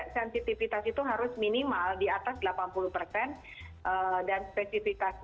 statusnya kuteri dan